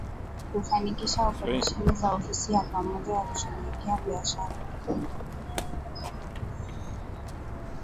Kufanikisha oparesheni za ofisi ya pamoja ya kushughulikia biashara